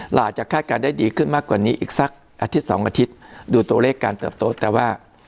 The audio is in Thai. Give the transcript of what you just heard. อาจจะคาดการณ์ได้ดีขึ้นมากกว่านี้อีกสักอาทิตย์สองอาทิตย์ดูตัวเลขการเติบโต๊แต่ว่า